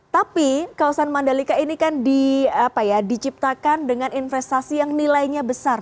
tapi kawasan mandalika ini kan diciptakan dengan investasi yang nilainya besar